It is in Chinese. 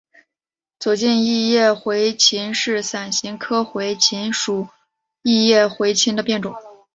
走茎异叶茴芹是伞形科茴芹属异叶茴芹的变种。